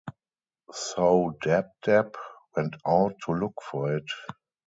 So Dab-Dab went out to look for it.